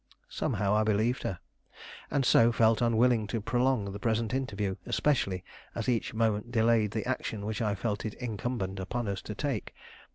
Somehow, I believed her, and so felt unwilling to prolong the present interview, especially as each moment delayed the action which I felt it incumbent upon us to take.